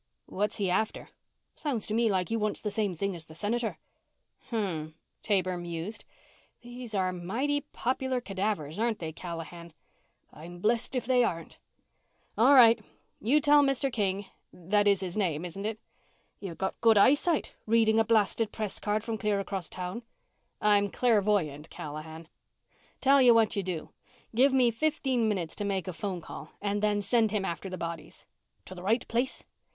"What's he after?" "Sounds to me like he wants the same thing as the Senator." "Hmmm," Taber mused. "Those are mighty popular cadavers, aren't they, Callahan?" "I'm blessed if they aren't." "All right. You tell Mr. King that is his name, isn't it?" "You've got good eyesight reading a blasted press card from clear across town." "I'm clairvoyant, Callahan. Tell you what you do give me fifteen minutes to make a phone call and then send him after the bodies." "To the right place?"